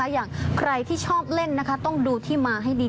อย่างใครที่ชอบเล่นต้องดูที่มาให้ดี